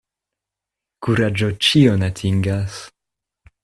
Kuraĝo ĉion atingas.